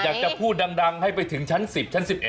อยากจะพูดดังให้ไปถึงชั้น๑๐ชั้น๑๑